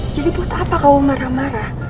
jadi buat apa kamu marah marah